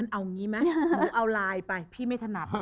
เอาลายไปพี่ไม่ถนัด